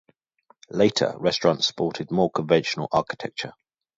Later restaurants sported more conventional architecture.